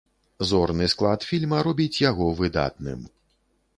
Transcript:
Зорны склад фільма робіць яго выдатным.